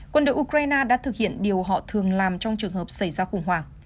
quân đội ukraine đã thực hiện điều họ thường làm trong trường hợp xảy ra khủng hoảng